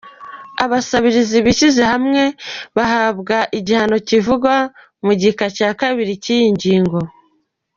Abasabirizi bishyize hamwe bahabwa igihano kivugwa mu gika cya kabiri cy’iyi ngingo.